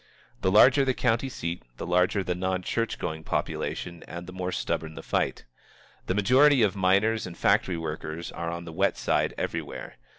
The larger the county seat, the larger the non church going population and the more stubborn the fight. The majority of miners and factory workers are on the wet side everywhere.